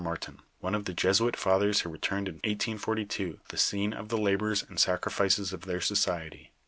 Martin, one of the Jesuit fathers who retuined in 1842 to the scene of the labors and sacrifices of tlnir society.